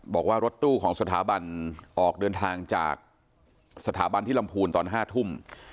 บอกว่ารถตู้ของสถาบันออกเดินทางจากสถาบันที่ลำพูนตอน๕ทุ่ม